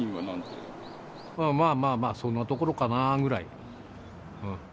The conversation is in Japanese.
まあまあまあ、そんなところかなぐらい。